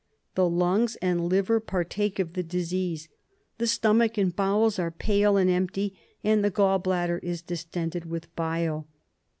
The lungs and liver partake of the disease. The stomach and bowels are pale and empty, and the gall bladder is distended with bile.